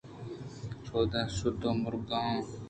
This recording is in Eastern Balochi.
شُد ءَ مِرَگاہاں